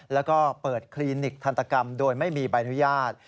แล้วก็เปิดคลินิกทันตกรรมโดยไม่มีใบอนุญาต